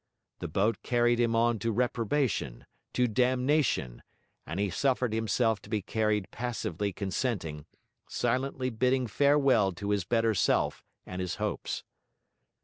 The boat carried him on to reprobation, to damnation; and he suffered himself to be carried passively consenting, silently bidding farewell to his better self and his hopes.